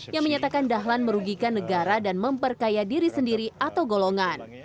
yang menyatakan dahlan merugikan negara dan memperkaya diri sendiri atau golongan